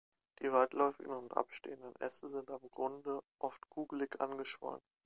Die weitläufigen und abstehenden Äste sind am Grunde oft kugelig angeschwollen.